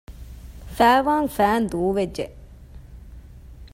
ފައިވާން ފައިން ދޫވެއްޖެ